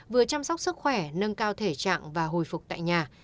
vừa chăm sóc sức khỏe nâng cao thể trạng và hồi phục tại nhà